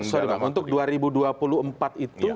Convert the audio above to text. sorry pak untuk dua ribu dua puluh empat itu